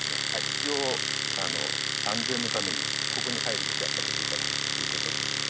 一応安全のためにここに入る時はかけて頂くということに。